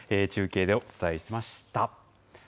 中継でお伝えしました。